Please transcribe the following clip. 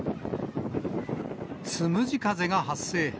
つむじ風が発生。